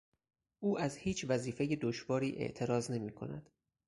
او از هیچ وظیفهٔ دشواری اعراض نمیکند.